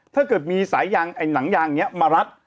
ถ้าเกิดมีสายยางไอ้หนังยางนี้มารัด